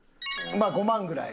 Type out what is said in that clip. まあ５万ぐらい。